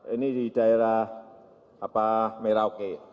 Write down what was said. ini di daerah merauke